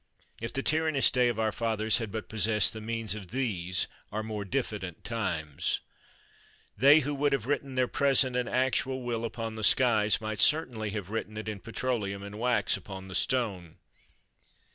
If the tyrannous day of our fathers had but possessed the means of these our more diffident times! They, who would have written their present and actual will upon the skies, might certainly have written it in petroleum and wax upon the stone.